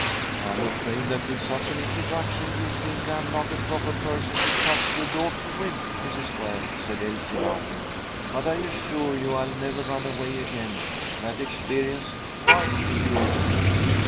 "I'm afraid that with such an introduction you'll think I'm not a proper person to trust your daughter with, Mrs. Ware," said Elsie, laughing, "but I assure you I'll never run away again. That experience quite cured me."